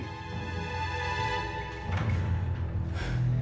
dan menjaga keamanan bapak reno